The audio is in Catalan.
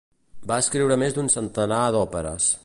Va escriure més d'un centenar d'òperes.